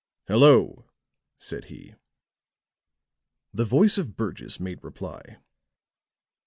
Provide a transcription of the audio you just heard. "Hello," said he. The voice of Burgess made reply.